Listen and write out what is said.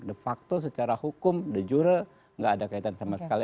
de facto secara hukum de jure nggak ada kaitan sama sekali